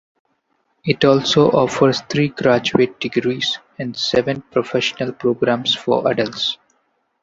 It also offers three graduate degrees and seven professional programs for adults.